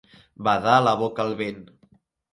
Badar la boca al vent.